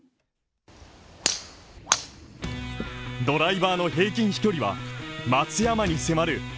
ドライバーの平均飛距離は松山に迫る